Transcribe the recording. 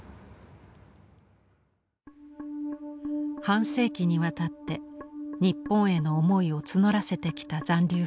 半世紀にわたって日本への思いを募らせてきた残留婦人たち。